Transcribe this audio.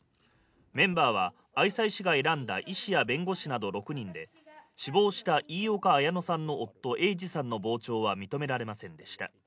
メンバーは、愛西市が選んだ医師や弁護士など６人で死亡した飯岡綾乃さんの夫、英治さんの傍聴は認められませんでした。